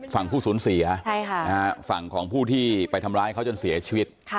ฟังผู้สูญสี่อะฟั่งของผู้ที่ไปทำร้ายขาวโทษที่มันเสียชาวไข่ชีวิต